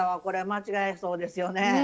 これ間違いそうですよね。